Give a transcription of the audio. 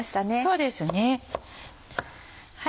そうですね。